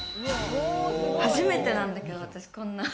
初めてなんだけど私こんな。